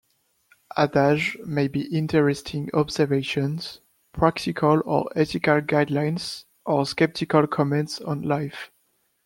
Adages may be interesting observations, practical or ethical guidelines, or skeptical comments on life.